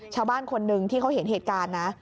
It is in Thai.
ชาวบ้านคนหนึ่งที่เขาเห็นเหตุการณ์นะ